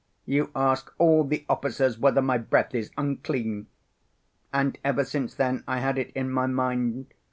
'You ask all the officers whether my breath is unclean.' And ever since then I had it in my mind.